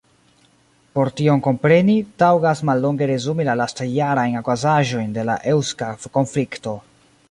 Por tion kompreni, taŭgas mallonge resumi la lastjarajn okazaĵojn en la eŭska konflikto.